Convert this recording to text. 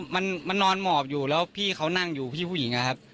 มันนอนหมอบอยู่แล้วพี่เขานั่งอยู่พี่ผู้หญิงอะครับ